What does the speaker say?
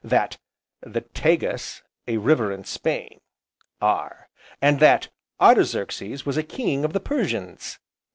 That: The Tagus, a river in Spain. R. and that: Artaxerxes was a king of the Persians.